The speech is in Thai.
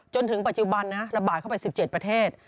จนถึงปัจจุบันระบาดเข้าไป๑๗ประเทศ